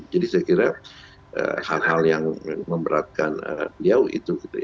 jadi saya kira hal hal yang memberatkan beliau itu gitu ya